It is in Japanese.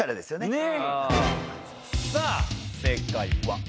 さぁ正解は？